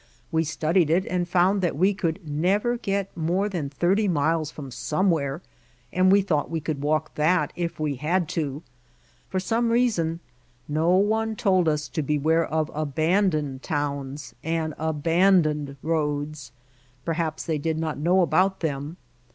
We studied it and found that we could never get more than thirty miles from somewhere, and we thought we could walk that if we had to. For some reason no one told us to beware of abandoned towns and abandoned roads, perhaps they did not know about them.